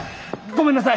ごめんなさい！